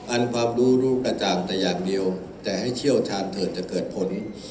อันความรู้รู้กระจ่างแต่อย่างเดียวแต่ให้เชี่ยวชาญเถิดจะเกิดผล